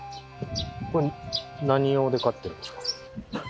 これ何用で飼ってるんですか？